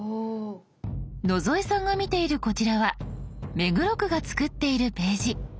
野添さんが見ているこちらは目黒区が作っているページ。